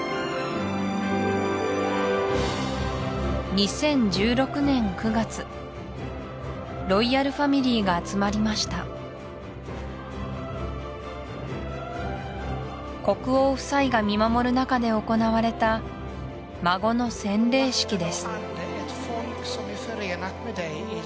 ２０１６年９月ロイヤルファミリーが集まりました国王夫妻が見守る中で行われた孫の洗礼式です